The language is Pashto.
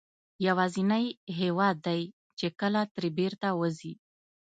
یوازینی هېواد دی چې کله ترې بېرته وځې.